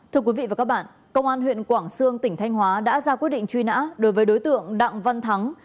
thưa quý vị và các bạn công an huyện quảng sương tỉnh thanh hóa đã ra quyết định truy nã đối với đối tượng đặng văn thắng